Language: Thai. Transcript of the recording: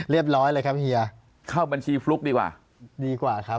ร้อยเลยครับเฮียเข้าบัญชีฟลุ๊กดีกว่าดีกว่าครับ